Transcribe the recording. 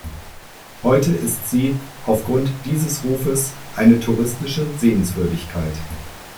Heute ist sie aufgrund dieses Rufes eine touristische Sehenswürdigkeit.